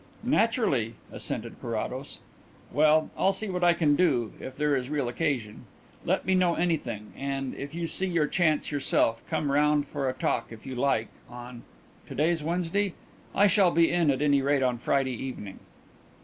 "Naturally," assented Carrados. "Well, I'll see what I can do if there is real occasion. Let me know anything, and, if you see your chance yourself, come round for a talk if you like on to day's Wednesday? I shall be in at any rate on Friday evening."